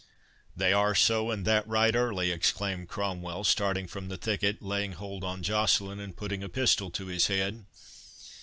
"They are so, and that right early," exclaimed Cromwell, starting from the thicket, laying hold on Joceline, and putting a pistol to his head.